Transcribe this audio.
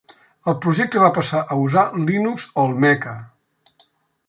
El projecte va passar a usar Linux Olmeca.